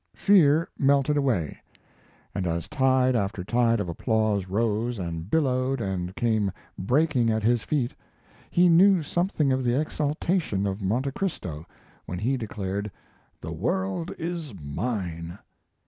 Fear melted away, and as tide after tide of applause rose and billowed and came breaking at his feet, he knew something of the exaltation of Monte Cristo when he declared "The world is mine!"